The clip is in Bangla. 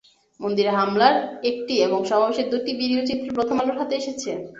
মন্দিরে হামলার একটি এবং সমাবেশের দুটি ভিডিও চিত্র প্রথম আলোর হাতে এসেছে।